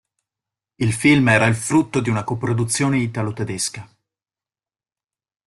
Il film era il frutto di una co-produzione italo tedesca.